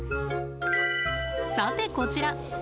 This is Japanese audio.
さてこちら。